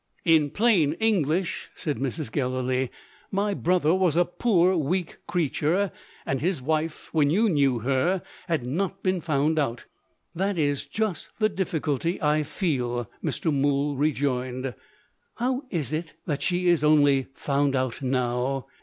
"In plain English," said Mrs. Gallilee, "my brother was a poor weak creature and his wife, when you knew her, had not been found out." "That is just the difficulty I feel," Mr. Mool rejoined. "How is it that she is only found out now?